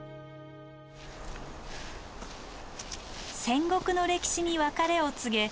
戦国の歴史に別れを告げ